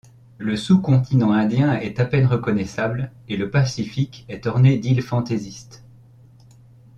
Le sous-continent indien est à peine reconnaissable et le Pacifique est orné d'îles fantaisistes.